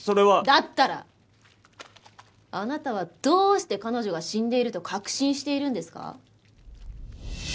だったらあなたはどうして彼女が死んでいると確信しているんですか？